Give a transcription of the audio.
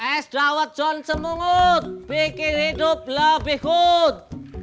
es dawat john semungut bikin hidup lebih good